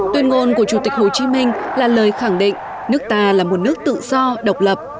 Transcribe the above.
tuyên ngôn của chủ tịch hồ chí minh là lời khẳng định nước ta là một nước tự do độc lập